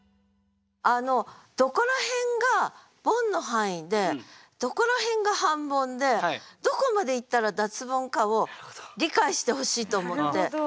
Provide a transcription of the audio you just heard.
どこら辺がボンの範囲でどこら辺が半ボンでどこまでいったら脱ボンかを理解してほしいと思って。